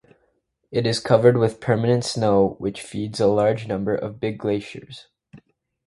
It is covered with permanent snow, which feeds a large number of big glaciers.